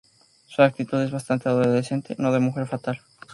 Su actitud es bastante adolescente, no de mujer fatal.